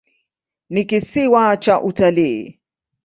Ni kisiwa cha utalii.